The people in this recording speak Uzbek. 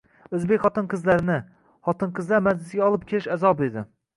O’zbek xotin-qizlarini... xotin-qizlar majlisiga olib kelish azob edi!